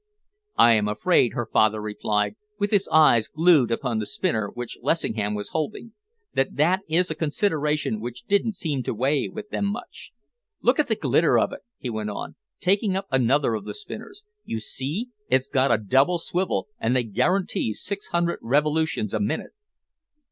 "I am afraid," her father replied, with his eyes glued upon the spinner which Lessingham was holding, "that that is a consideration which didn't seem to weigh with them much. Look at the glitter of it," he went on, taking up another of the spinners. "You see, it's got a double swivel, and they guarantee six hundred revolutions a minute."